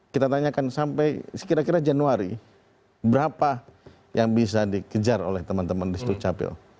kita tanyakan sampai sekira kira januari berapa yang bisa dikejar oleh teman teman di stucapil